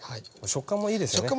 食感もいいですよね。